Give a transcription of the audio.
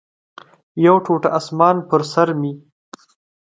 یو ټوټه اسمان پر سر مې